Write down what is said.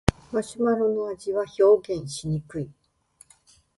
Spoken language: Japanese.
マシュマロの味は表現しにくい